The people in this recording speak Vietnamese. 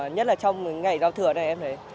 nhất là trong ngày giao thừa này em thấy